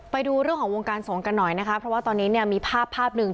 ไปดูเรื่องของวงการสงฆ์กันหน่อยนะคะเพราะว่าตอนนี้เนี่ยมีภาพภาพหนึ่ง